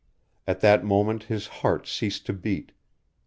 At that moment his heart ceased to beat.